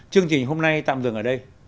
chương trình hôm nay tạm dừng ở đây